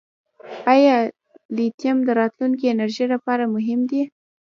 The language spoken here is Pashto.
آیا لیتیم د راتلونکي انرژۍ لپاره مهم دی؟